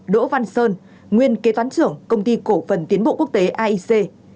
bốn đỗ văn sơn nguyên kế toán trưởng công ty cổ phần tiến bộ quốc tế aic